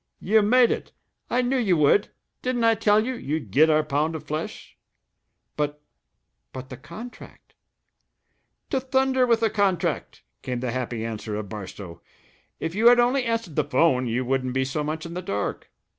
"You made it! I knew you would. Didn't I tell you we'd get our pound of flesh?" "But but the contract " "To thunder with the contract!" came the happy answer of Barstow. "If you had only answered the 'phone, you wouldn't be so much in the dark.